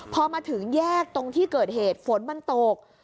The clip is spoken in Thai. พอมาถึงแยกตรงที่เกิดเหตุฝนมันตก